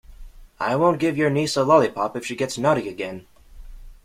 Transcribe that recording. I won't give your niece a lollipop if she gets naughty again.